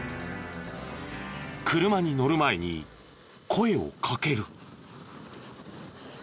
車に乗る前に声をかける。